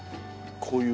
こういう。